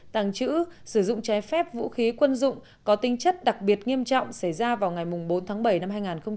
tàng trữ sử dụng trái phép vũ khí quân dụng có tinh chất đặc biệt nghiêm trọng xảy ra vào ngày bốn tháng bảy năm hai nghìn hai mươi ba